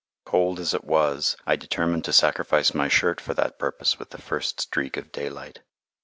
Cold as it was, I determined to sacrifice my shirt for that purpose with the first streak of daylight.